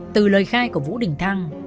từ lời khai của vũ đình thăng